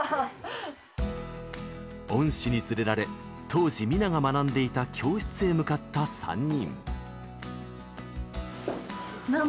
恩師に連れられ当時、ＭＩＮＡが学んでいた教室へ向かった３人。